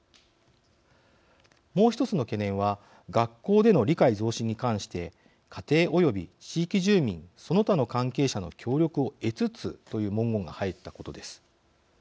もう一つの懸念は学校での理解増進に関して「家庭及び地域住民その他の関係者の協力を得つつ」という文言が入ったことです。